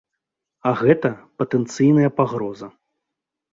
А гэта патэнцыйная пагроза.